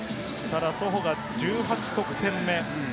ソホが１８得点目。